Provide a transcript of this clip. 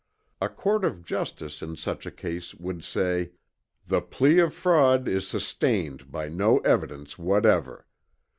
A court of justice in such a case would say, "The plea of fraud is sustained by no evidence whatever.